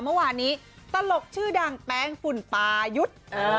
เมื่อวานนี้ตลกชื่อดังแป้งฝุ่นปายุทธ์